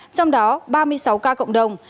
trong đó ba mươi sáu ca cộng đồng